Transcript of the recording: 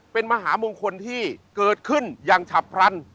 เป็นมหามงคลที่เกิดขึ้นอย่างฉับพลัน